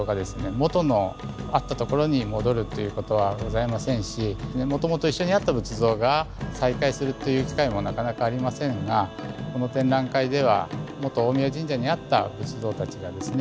元のあったところに戻るということはございませんしもともと一緒にあった仏像が再会するという機会もなかなかありませんがこの展覧会ではもと大神神社にあった仏像たちがですね